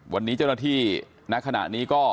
วันนี้เจ้าหน้าที่ณขณะนี้ก็